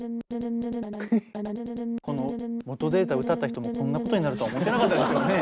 この元データ歌った人もこんなことになるとは思ってなかったでしょうね。